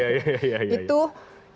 yaudah saling bagian mana itu bukan